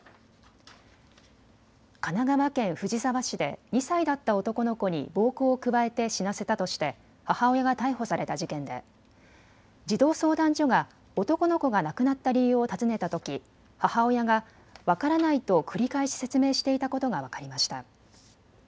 神奈川県藤沢市で２歳だった男の子に暴行を加えて死なせたとして母親が逮捕された事件で児童相談所が男の子が亡くなった理由を尋ねたとき母親が分からないと繰り返し説明していたことが分かりました。